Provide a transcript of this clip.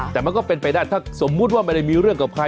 แต่มันก็เป็นไปได้ถ้าสมมุติว่าไม่ได้มีเรื่องกับใคร